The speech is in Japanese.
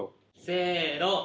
せの！